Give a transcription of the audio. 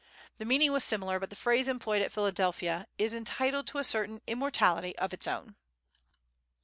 The meaning was similar, but the phrase employed at Philadelphia is entitled to a certain immortality of its own.